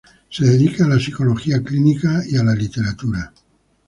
Se dedica a la psicología clínica y a la literatura.